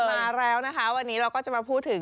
มาแล้วนะคะวันนี้เราก็จะมาพูดถึง